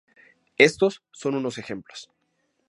Estos son unos ejemplos.